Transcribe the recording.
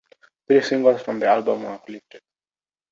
Three singles from the album were lifted.